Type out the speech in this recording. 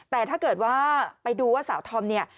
แต่ถ้าเกิดว่าไปดูว่าสาวธอมเนี่ย